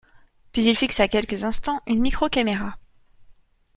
Puis il fixa quelques instants une micro-caméra.